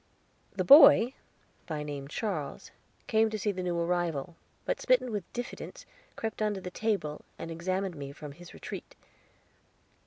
The boy, by name Charles, came to see the new arrival, but smitten with diffidence crept under the table, and examined me from his retreat.